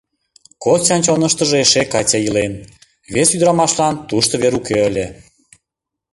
Костян чоныштыжо эше Катя илен, вес ӱдрамашлан тушто вер уке ыле.